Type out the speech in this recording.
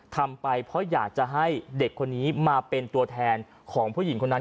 ทำไปเพราะอยากจะให้เด็กคนนี้มาเป็นตัวแทนของผู้หญิงคนนั้น